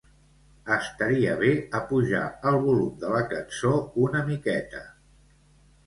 Estaria bé apujar el volum de la cançó una miqueta.